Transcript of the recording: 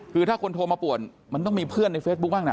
คือถ้าคนโทรมาป่วนมันต้องมีเพื่อนในเฟซบุ๊คบ้างนะ